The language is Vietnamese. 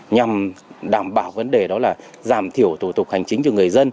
nhằm đảm bảo vấn đề đó là giảm thiểu thủ tục